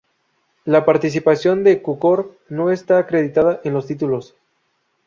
La participación de Cukor no está acreditada en los títulos.